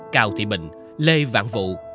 cao thị bình lê vạn vụ